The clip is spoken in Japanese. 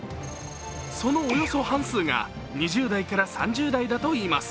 そのおよそ半数が２０代から３０代だといいます。